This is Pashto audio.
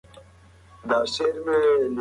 وزیر اکبرخان سولې هڅه وکړه